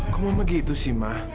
kok mama gitu sih ma